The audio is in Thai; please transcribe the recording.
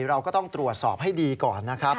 เราก็ต้องตรวจสอบให้ดีก่อนนะครับ